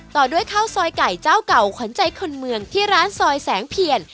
ต่อด้วยข้าวซอยไก่เจ้าเก่าขวัญใจคนเมืองที่ร้านซอยแสงเพียร